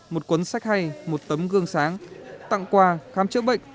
một cuốn sách hay một tấm gương sáng tặng quà khám chữa bệnh